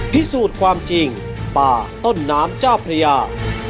พิสูจน์ความจริงป่าต้นน้ำเจ้าพระยา